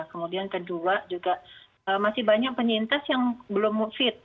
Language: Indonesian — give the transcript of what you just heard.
kemudian kedua juga masih banyak penyintas yang belum fit